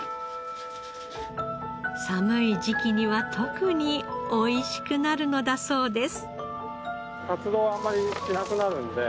寒い時期には特に美味しくなるのだそうです。